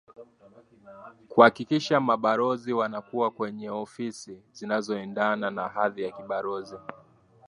kuhakikisha mabalozi wanakuwa kwenye ofisi zinazoendana na hadhi ya kibalozi